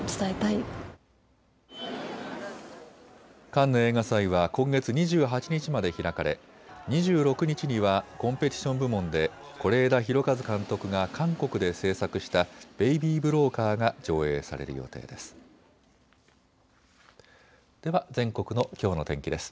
カンヌ映画祭は今月２８日まで開かれ２６日にはコンペティション部門で是枝裕和監督が韓国で製作したベイビー・ブローカーが上映される予定です。